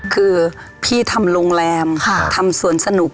คือพี่ทำโรงแรมทำสวนสนุก